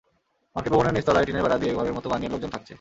Market ভবনের নিচতলায় টিনের বেড়া দিয়ে ঘরের মতো বানিয়ে লোকজন থাকছে।